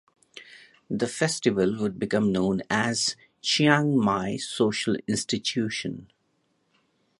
The festival would become known as the Chiang Mai Social Institution.